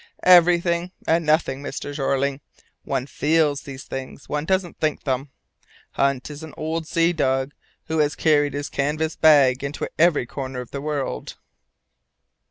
"Everything and nothing, Mr. Jeorling. One feels these things; one doesn't think them. Hunt is an old sea dog, who has carried his canvas bag into every corner of the world."